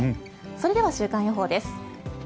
それでは週間予報です。